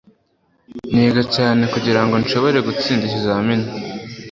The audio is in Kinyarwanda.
Niga cyane kugirango nshobore gutsinda ikizamini